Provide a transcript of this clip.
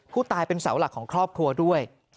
ผู้ตายเป็นเสาหลักของครอบครัวด้วย